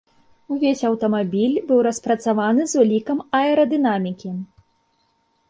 Увесь аўтамабіль быў распрацаваны з улікам аэрадынамікі.